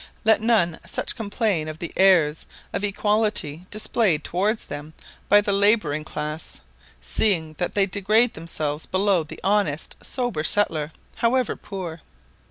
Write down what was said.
Let none such complain of the airs of equality displayed towards them by the labouring class, seeing that they degrade themselves below the honest, sober settler, however poor.